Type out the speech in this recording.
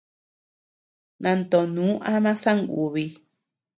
Nantonù ama songubi.